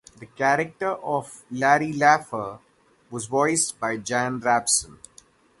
The character of Larry Laffer was voiced by Jan Rabson.